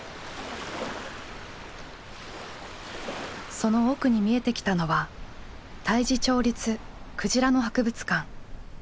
その奥に見えてきたのは太地町立くじらの博物館。